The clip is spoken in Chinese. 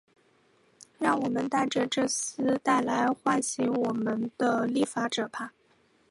让我们戴着这丝带来唤醒我们的立法者吧。